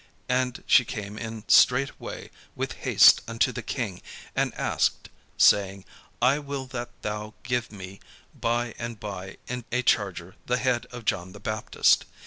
And she came in straightway with haste unto the king, and asked, saying, "I will that thou give me by and by in a charger the head of John the Baptist."